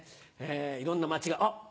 いろんな間違いあ！